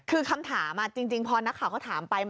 คือคำถามจริงพอนักข่าวเขาถามไป